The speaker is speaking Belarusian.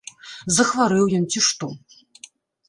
Захварэў ён, ці што?